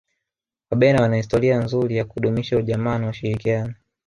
wabena wana historia nzuri ya kudumisha ujamaa na ushirikiano